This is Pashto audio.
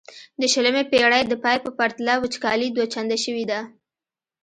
د شلمې پیړۍ د پای په پرتله وچکالي دوه چنده شوې ده.